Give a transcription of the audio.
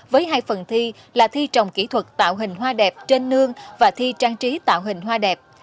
với hai phần thi là thi trồng kỹ thuật tạo hình hoa đẹp trên nương và thi trang trí tạo hình hoa đẹp